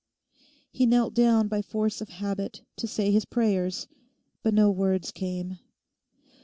He knelt down by force of habit to say his prayers; but no words came.